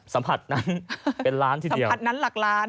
สัมผัสนั้นเป็นล้านที่สัมผัสนั้นหลักล้าน